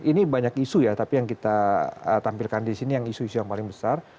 ini banyak isu ya tapi yang kita tampilkan di sini yang isu isu yang paling besar